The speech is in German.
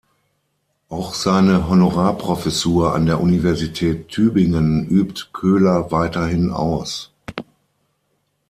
Auch seine Honorarprofessur an der Universität Tübingen übt Köhler weiterhin aus.